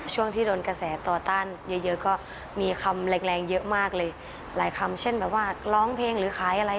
ช่วงที่โดนกระแสต่อต้านเยอะเยอะก็มีคำแรงแรงเยอะมากเลยหลายคำเช่นแบบว่าร้องเพลงหรือขายอะไร